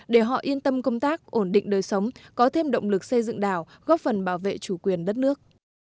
để họ yên tâm công tác ổn định đời sống có thêm động lực xây dựng đảo góp phần bảo vệ chủ quyền đất nước